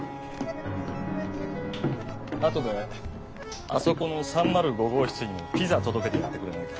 後であそこの３０５号室にピザ届けてやってくれないか。